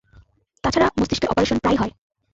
তা ছাড়া মস্তিষ্কের অপারেশন প্রায়ই হয়।